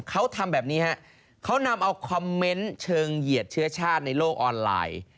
เขาทำแบบนี้ฮะเขานำเอาคอมเมนต์เชิงเหยียดเชื้อชาติในโลกออนไลน์